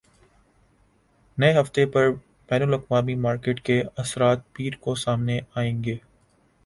نئے ہفتے پر بین الاقوامی مارکیٹ کے اثرات پیر کو سامنے آئیں گے